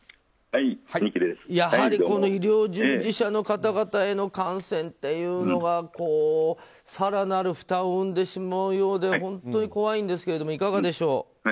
やはり医療従事者の方々への感染っていうのは更なる負担を生んでしまうようで本当に怖いんですけどいかがでしょう？